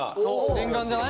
念願じゃない？